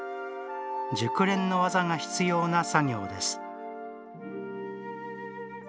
熟練の技が必要な作業です。